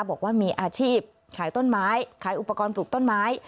บอกว่ามีอาชีพขายต้นไม้ขายอุปกรณ์ปลูกต้นไม้